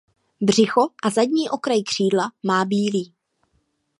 Břicho a zadní okraj křídla má bílý.